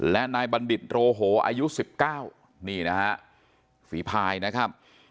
และนายบัณฑิตโรโหอายุ๑๙นี่นะฮะฝีพายนะครับ